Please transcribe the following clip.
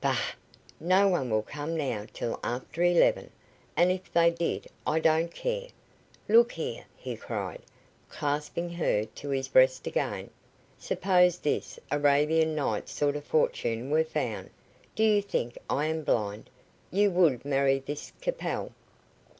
"Bah! no one will come now till after eleven, and if they did I don't care. Look here," he cried, clasping her to his breast again, "suppose this Arabian Night sort of fortune were found, do you think I am blind? You would marry this Capel."